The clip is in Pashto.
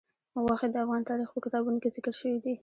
غوښې د افغان تاریخ په کتابونو کې ذکر شوی دي.